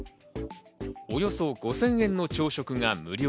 およそ５０００円の朝食が無料。